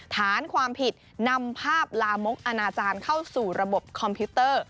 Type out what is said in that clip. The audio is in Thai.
ฐานความผิดนำภาพลามกอนาจารย์เข้าสู่ระบบคอมพิวเตอร์